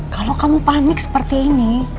kalau kamu panik seperti ini